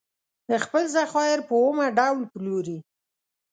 خپل ذخایر په اومه ډول پلوري.